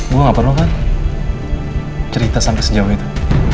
gue ga perlu kan cerita sampe sejauh itu